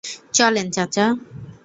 চলেন - চাচা।